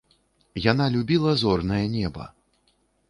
Яна любіла зорнае неба!